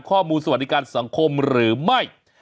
ข้อมูลสวัสดิการสังคมหรือไม่